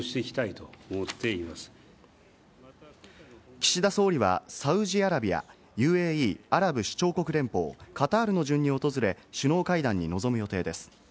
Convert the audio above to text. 岸田総理はサウジアラビア、ＵＡＥ＝アラブ首長国連邦、カタールの順に訪れ、首脳会談に臨む予定です。